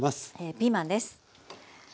ピーマンです。